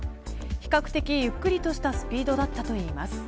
比較的ゆっくりとしたスピードだったといいます。